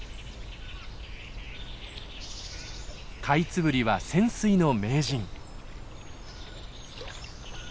カイツブリは潜水の名人。